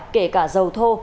kể cả dầu thô